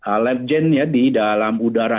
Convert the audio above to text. allergen di dalam udara